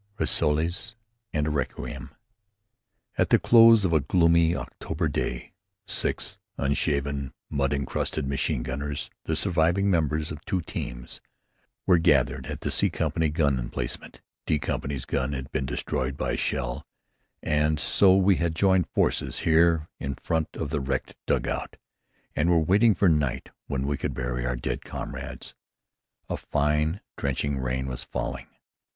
RISSOLES AND A REQUIEM At the close of a gloomy October day, six unshaven, mud encrusted machine gunners, the surviving members of two teams, were gathered at the C Company gun emplacement. D Company's gun had been destroyed by a shell, and so we had joined forces here in front of the wrecked dugout, and were waiting for night when we could bury our dead comrades. A fine drenching rain was falling.